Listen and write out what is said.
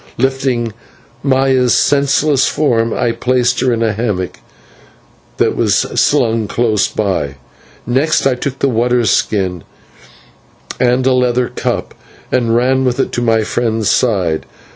Lifting Maya's senseless form, I placed her in a hammock that was slung close by. Then I took the water skin and a leather cup, and ran with it to my friend's side.